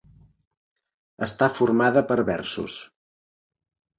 Està formada per versos.